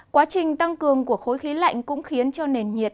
quá trình tăng cường của khối khí lạnh cũng khiến cho nền nhiệt